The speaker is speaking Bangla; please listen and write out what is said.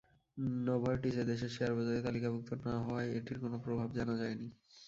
নোভারটিস এ দেশের শেয়ারবাজারে তালিকাভুক্ত না হওয়ায় এটির কোনো প্রভাব জানা যায়নি।